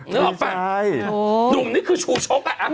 นึกออกป่ะหนุ่มนี่คือชูชกอะอะอ้าว